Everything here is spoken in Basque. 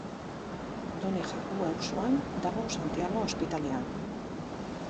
Done Jakue auzoan dago Santiago Ospitalea.